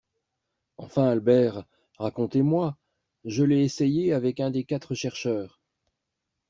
enfin Albert? Racontez-moi! Je l’ai essayé avec un des quatre chercheurs